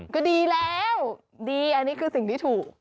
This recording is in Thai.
ก็ดีแล้วดีอันนี้คือสิ่งที่ถูก